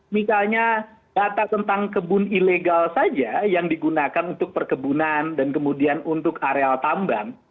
misalnya data tentang kebun ilegal saja yang digunakan untuk perkebunan dan kemudian untuk areal tambang